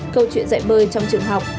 câu chuyện dạy bơi trong trường học